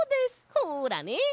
ほらね！